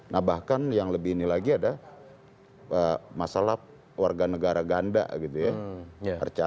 nah bahkan yang lebih ini lagi ada masalah warga negara ganda gitu ya